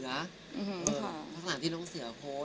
เพราะสหกลังที่น้องเสือโฆษ์